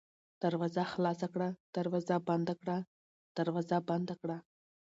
دروازه خلاصه کړه ، دروازه بنده کړه ، دروازه بنده کړه